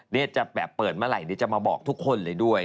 จะแบบเปิดเมื่อไหร่จะมาบอกทุกคนเลยด้วย